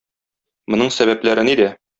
Моның сәбәпләре нидә?